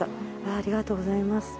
ありがとうございます。